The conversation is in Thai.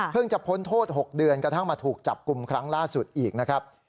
จะพ้นโทษ๖เดือนกระทั่งมาถูกจับกลุ่มครั้งล่าสุดอีกนะครับ